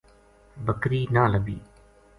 بکری نہ لبھی